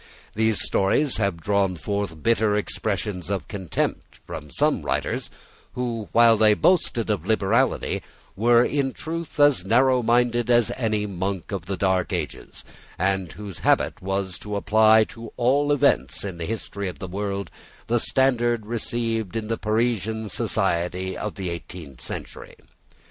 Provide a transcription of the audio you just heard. These stories have drawn forth bitter expressions of contempt from some writers who, while they boasted of liberality, were in truth as narrow minded as any monk of the dark ages, and whose habit was to apply to all events in the history of the world the standard received in the Parisian society of the eighteenth century.